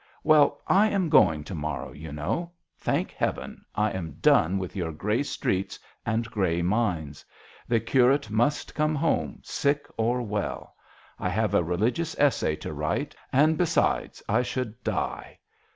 Well, I am going to morrow, you know. Thank Heaven, I am done with your grey streets and grey minds ! The curate must come home, sick or well. I have a religious essay to write, and besides I should die.